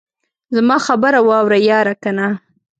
زما خبره واوره ياره کنه.